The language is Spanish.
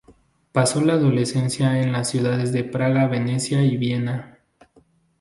Pasó la adolescencia en las ciudades de Praga, Venecia y Viena.